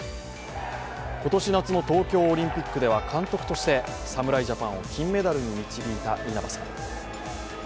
今年夏の東京オリンピックでは監督として侍ジャパンを金メダルに導いた稲葉さん。